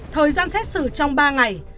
thời gian xét xử trong ba ngày